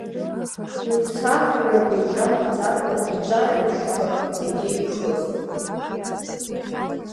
Имцахара неиҿамкӡакәа, иҿара амышқәа зегьы ихыст.